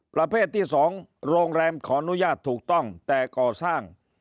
ประเภทที่๒โรงแรมขออนุญาตถูกต้องแต่ก่อสร้าง